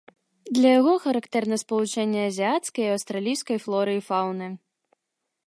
Для яго характэрна спалучэнне азіяцкай і аўстралійскай флоры і фаўны.